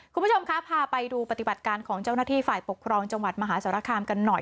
คุณผู้ชมคะพาไปดูปฏิบัติการของเจ้าหน้าที่ฝ่ายปกครองจังหวัดมหาสารคามกันหน่อย